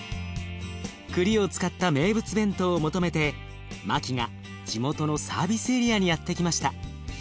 くりを使った名物弁当を求めてマキが地元のサービスエリアにやって来ました。